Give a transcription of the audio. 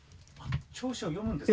町史を読むんですか？